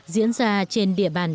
diễn ra trên địa bàn